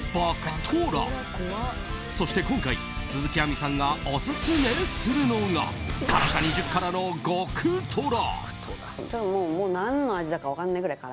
トラそして今回、鈴木亜美さんがオススメするのが辛さ２０辛の、極トラ。